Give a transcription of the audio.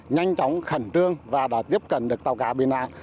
nhanh chóng khẩn trương và đã tiếp cận được tàu cá bị nạn